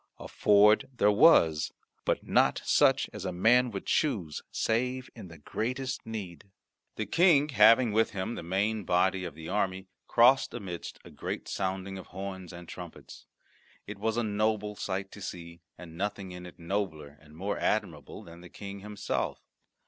A ford there was, but not such as a man would choose save in the greatest need. The King, having with him the main body of the army, crossed amidst a great sounding of horns and trumpets. It was a noble sight to see, and nothing in it nobler and more admirable than the King himself.